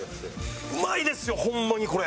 うまいですよホンマにこれ。